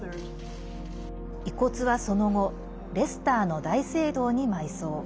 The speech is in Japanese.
遺骨はその後レスターの大聖堂に埋葬。